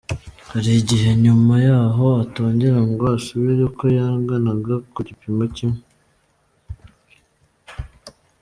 Hari igihe nyuma yaho atongera ngo asubire uko yanganaga ku gipimo kimwe.